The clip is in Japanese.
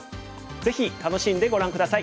ぜひ楽しんでご覧下さい。